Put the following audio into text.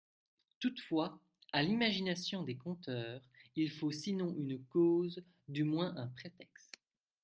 Toutefois, à l'imagination des conteurs, il faut sinon une cause, du moins un prétexte.